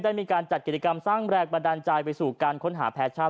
ได้มีการจัดกิจกรรมสร้างแรงบันดาลใจไปสู่การค้นหาแฟชั่น